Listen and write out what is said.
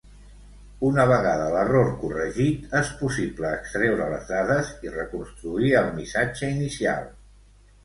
Una vegada l'error corregit, és possible extreure les dades i reconstruir el missatge inicial.